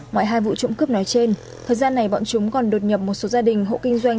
ngoài hai vụ trộm cướp nói trên thời gian này bọn chúng còn đột nhập một số gia đình hộ kinh doanh